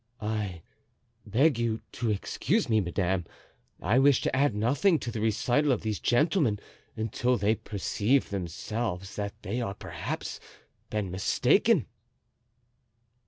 "I beg you to excuse me, madame; I wish to add nothing to the recital of these gentlemen until they perceive themselves that they have perhaps been mistaken."